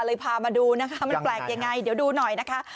พามาดูนะคะมันแปลกยังไงเดี๋ยวดูหน่อยนะคะ